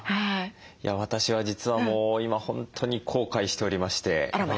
私は実はもう今本当に後悔しておりまして。